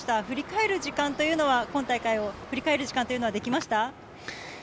振り返る時間というのは、今大会を振り返る時間というのはできました？